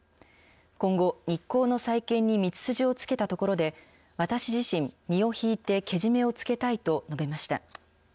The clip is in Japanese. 今後日興の再建に道筋をつけたところで、私自身、身を引いてけじめをつけたいと述べました。